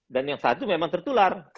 dan yang satu memang tertular